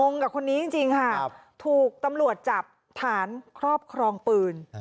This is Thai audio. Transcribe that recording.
กับคนนี้จริงค่ะถูกตำรวจจับฐานครอบครองปืน